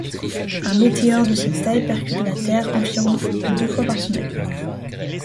Un météore de cette taille percute la Terre environ deux fois par semaine.